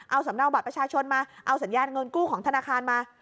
เอาสำเนาบัตรประชาชนมาเอาสัญญาณเงินกู้ของธนาคารมา